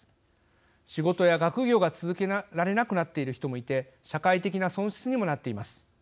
仕事や学業が続けられなくなっている人もいて社会的な損失にもなっています。